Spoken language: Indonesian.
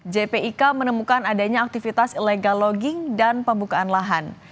jp ika menemukan adanya aktivitas ilegal logging dan pembukaan lahan